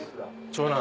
長男。